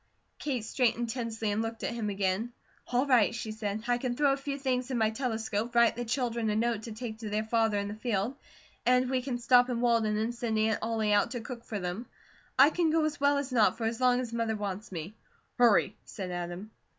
Kate straightened tensely and looked at him again. "All right," she said. "I can throw a few things in my telescope, write the children a note to take to their father in the field, and we can stop in Walden and send Aunt Ollie out to cook for them; I can go as well as not, for as long as Mother wants me." "Hurry!" said Adam.